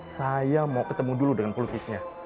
saya mau ketemu dulu dengan politisnya